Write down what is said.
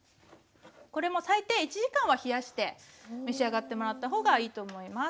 これも最低１時間は冷やして召し上がってもらった方がいいと思います。